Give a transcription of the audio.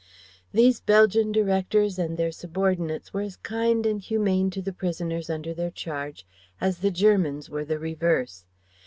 These Belgian directors and their subordinates were as kind and humane to the prisoners under their charge as the Germans were the reverse.